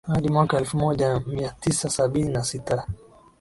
hadi mwaka elfu moja mia tisa sabini na sita